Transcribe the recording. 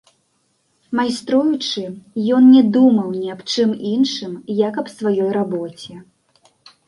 Майструючы, ён не думаў ні аб чым іншым, як аб сваёй рабоце.